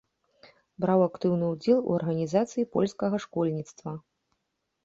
Браў актыўны ўдзел у арганізацыі польскага школьніцтва.